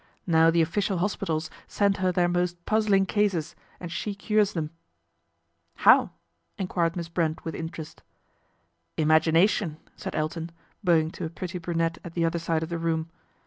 Now the official hospitals send her their most puzzling cases and she cures them." " How ?" enquired Miss Brent with interest. " Imagination," said Elton, bowing to a pretty brunette at the other side of the room.